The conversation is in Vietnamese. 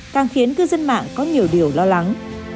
càng khiến cư dân mạng có nhiều điều lo lắng